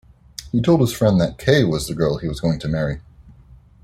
He told his friend that Kay was the girl he was going to marry.